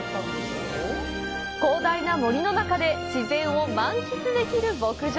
広大な森の中で自然を満喫できる牧場。